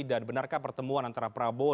dan benarkah pertemuan antara prabowo